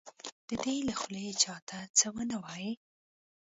د ده له خولې چا ته څه ونه وایي.